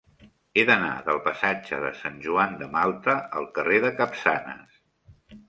He d'anar del passatge de Sant Joan de Malta al carrer de Capçanes.